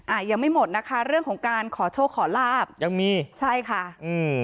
อ่ายังไม่หมดนะคะเรื่องของการขอโชคขอลาบยังมีใช่ค่ะอืม